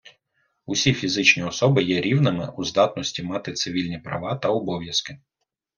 Усі фізичні особи є рівними у здатності мати цивільні права та обов'язки.